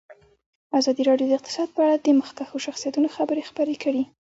ازادي راډیو د اقتصاد په اړه د مخکښو شخصیتونو خبرې خپرې کړي.